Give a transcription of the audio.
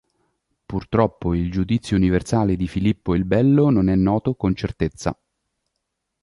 Purtroppo il Giudizio universale di Filippo il Bello non è noto con certezza.